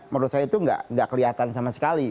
menurut saya itu nggak kelihatan sama sekali